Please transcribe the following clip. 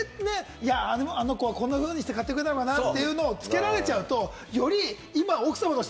思い出って、あの子はこんなふうにして買ってくれたのかなってつけられちゃうと、奥様として